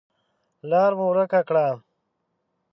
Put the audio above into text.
لار مو ورکه کړه .